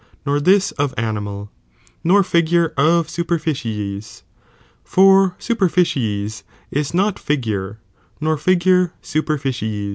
Dor this of animal, nor figure of superficies, for su duBiiUDi ii perncies is not figure, nor figure superficies.